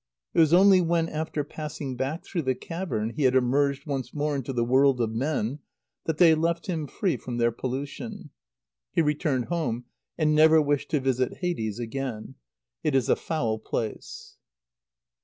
It was only when, after passing back through the cavern, he had emerged once more into the world of men, that they left him free from their pollution. He returned home, and never wished to visit Hades again. It is a foul place.